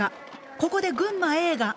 ここで群馬Ａが。